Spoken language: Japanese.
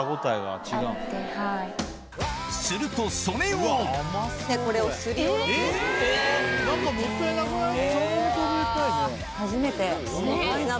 するとそれを何かもったいなくない？